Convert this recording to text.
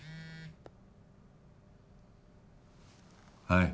はい